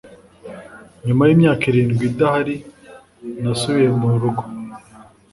Nyuma yimyaka irindwi idahari, nasubiye murugo.